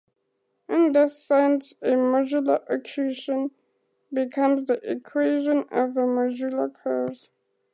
In that sense a modular equation becomes the equation of a modular curve.